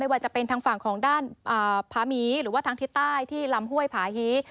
ว่าจะเป็นทางฝั่งของด้านผาหมีหรือว่าทางทิศใต้ที่ลำห้วยผาฮี